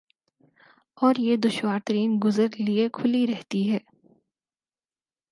اور یہ دشوار ترین گزر لئے کھلی رہتی ہے ۔